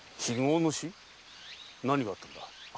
何があったのだ。